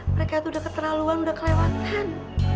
mereka itu udah keterlaluan udah kelewatan